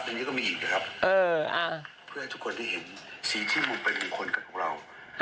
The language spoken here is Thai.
เพื่อทุกคนได้เห็นสีที่มงคลเป็นมงคลของเรา